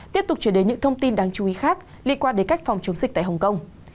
tiếp tục chuyển đến những thông tin đáng chú ý khác liên quan đến cách phòng chống dịch tại hồng kông